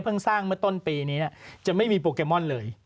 สร้างเมื่อต้นปีนี้จะไม่มีโปเกมอนเลย